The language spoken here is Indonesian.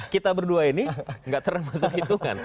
kita berdua ini gak termasuk hitungan